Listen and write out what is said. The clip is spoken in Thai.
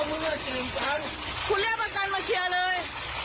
คุณเรียกประกันมาเคลียร์เลย